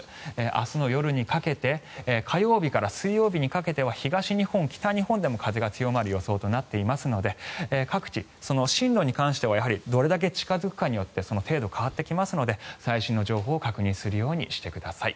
明日の夜にかけて火曜日から水曜日にかけては東日本、北日本でも風が強まる予想となっていますので各地、その進路に関してはどれだけ近付くかによって程度が変わってきますので最新の情報を確認するようにしてください。